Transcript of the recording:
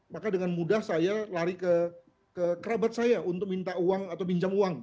maka dengan mudah saya lari ke kerabat saya untuk minta uang atau pinjam uang